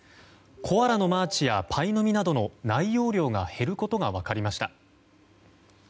コアラのマーチやパイの実などの内容量が減ることが分かりました。